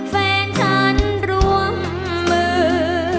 แฟนฉันร่วมมือ